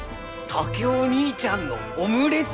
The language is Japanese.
竹雄義兄ちゃんのオムレツ？